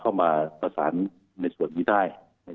เข้ามาประสานในส่วนนี้ได้